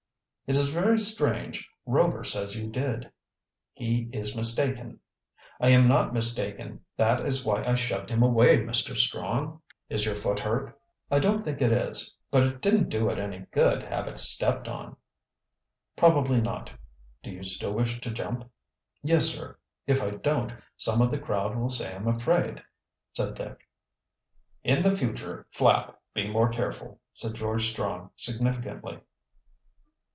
"It is very strange. Rover says you did." "He is mistaken." "I am not mistaken. That is why I shoved him away, Mr. Strong." "Is your foot hurt?" "I don't think it is. But it didn't do it any good to have it stepped on." "Probably not. Do you still wish to jump?" "Yes, sir. If I don't, some of the crowd will say I am afraid," said Dick. "In the future, Flapp, be more careful," said George Strong significantly.